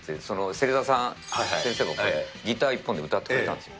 芹澤さん、先生が、ギター１本で歌ってくれたんですよ。